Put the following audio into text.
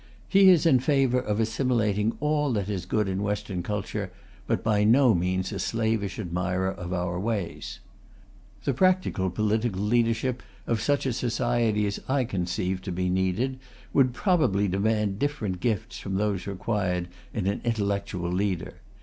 He is in favour of assimilating all that is good in Western culture, but by no means a slavish admirer of our ways. The practical political leadership of such a society as I conceive to be needed would probably demand different gifts from those required in an intellectual leader.